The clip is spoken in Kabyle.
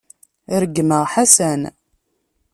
Regmeɣ Ḥasan.